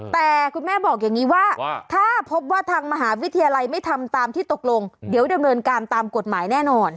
แต่คุณแม่บอกอย่างนี้ว่าถ้าพบว่าทางมหาวิทยาลัยไม่ทำตามที่ตกลงเดี๋ยวดำเนินการตามกฎหมายแน่นอน